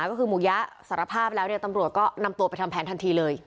ก็คือหมูยะสารภาพแล้วเนี่ยตำรวจก็นำตัวไปทำแผนทันทีเลย